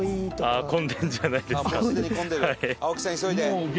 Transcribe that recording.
混んでるんじゃないですかね。